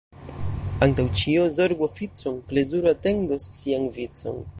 Antaŭ ĉio zorgu oficon, — plezuro atendos sian vicon.